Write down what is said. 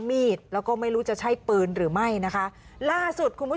มีดแล้วก็ไม่รู้จะใช่ปืนหรือไม่นะคะล่าสุดคุณผู้ชม